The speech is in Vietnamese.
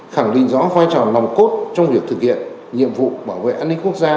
khẳng định rõ vai trò nòng cốt trong việc thực hiện nhiệm vụ bảo vệ an ninh quốc gia